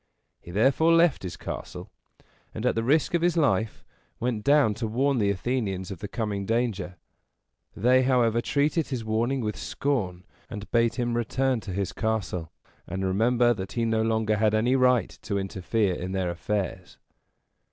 He therefore left his castle, and, at the risk of his life, went down to warn the Athenians of the coming danger. They, however, treated his warning with scorn, and bade him return to his castle, and remember that he no longer had any right to interfere in their affairs.